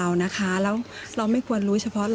ตามแนวทางศาสตร์พระราชาของในหลวงราชการที่๙